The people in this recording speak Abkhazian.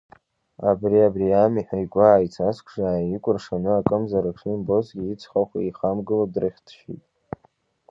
Абри абриами ҳәа игәы ааицазкша, иааикәыршаны акымзарак шимбозгьы, ицхахә еихамгыло дрыхьҭшьит.